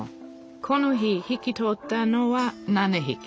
この日引き取ったのは７ひき